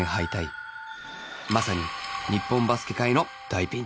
まさに日本バスケ界の大ピンチ